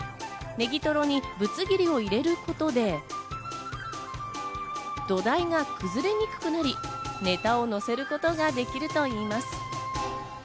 ネギトロにぶつ切りを入れることで土台が崩れにくくなり、ネタを乗せることができるといいます。